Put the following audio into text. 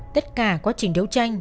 tất cả quá trình đấu tranh